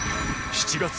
７月。